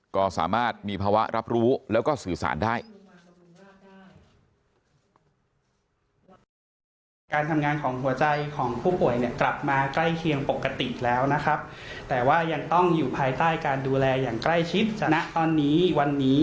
ก็สามารถมีภาวะรับรู้แล้วก็สื่อสารได้